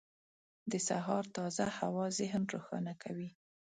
• د سهار تازه هوا ذهن روښانه کوي.